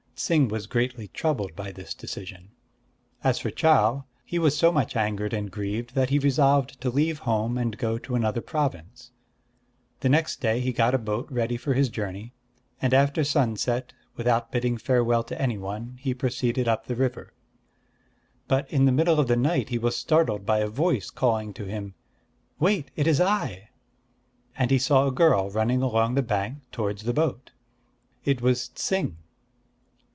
Ts'ing was greatly troubled by this decision. As for Chau, he was so much angered and grieved that he resolved to leave home, and go to another province. The next day he got a boat ready for his journey, and after sunset, without bidding farewell to any one, he proceeded up the river. But in the middle of the night he was startled by a voice calling to him, "Wait! it is I!" and he saw a girl running along the bank towards the boat. It was Ts'ing.